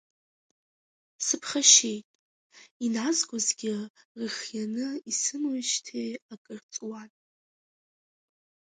Сыԥхашьеит, иназгозгьы рыхианы исымеижьҭеи акыр ҵуан…